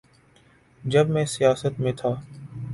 جب میں سیاست میں تھا۔